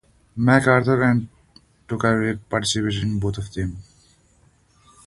MacArthur and Tokarev participated in both of them.